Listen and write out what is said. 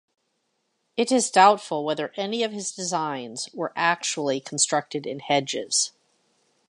It is doubtful whether any of his designs were actually constructed in hedges.